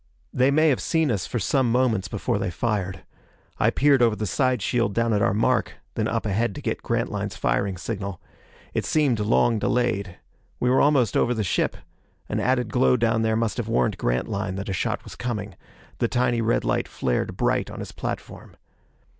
They may have seen us for some moments before they fired. I peered over the side shield down at our mark, then up ahead to get Grantline's firing signal. It seemed long delayed. We were almost over the ship. An added glow down there must have warned Grantline that a shot was coming. The tiny red light flared bright on his platform.